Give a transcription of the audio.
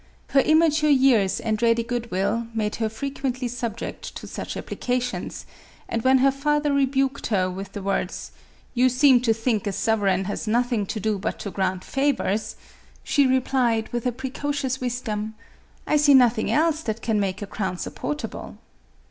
Her immature years and ready good will made her frequently subject to such appli cations; and when her father rebuked her with the 188 MARIA THERESA. words, "You seem to think a sovereign has nothing to do but to grant favors," she replied, with a pre cocious wisdom, "I see nothing else that can make a crown supportable."